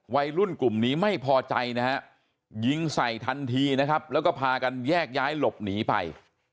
วัยรุ่นกลุ่มนี้ไม่พอใจนะฮะยิงใส่ทันทีนะครับแล้วก็พากันแยกย้ายหลบหนีไป